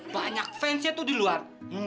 banyak fansnya itu di luar